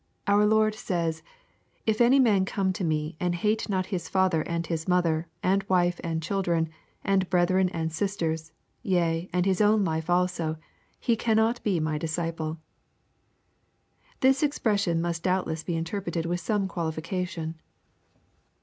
Our lord says, "If any man come to me, and hate not his father and mother, and wife and children, and brethren and sisters, yea, and his own life also, he cannot be my disciple." This expression must doubtless be interpreted with some qualification.